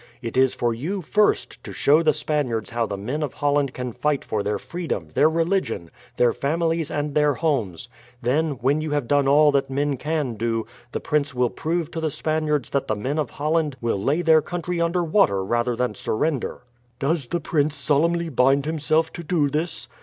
It is for you, first, to show the Spaniards how the men of Holland can fight for their freedom, their religion, their families, and their homes. Then, when you have done all that men can do, the prince will prove to the Spaniards that the men of Holland will lay their country under water rather than surrender." "Does this prince solemnly bind himself to do this?"